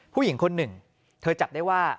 ผู้หญิงคนหนึ่งเธอจับได้ว่า